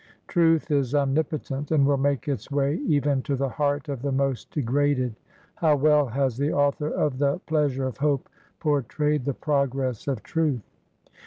Truth is omnipo tent, and will make its way even to the heart of the most degraded. How well has the author of the " Pleasures of Hope ?? portrayed the progress of truth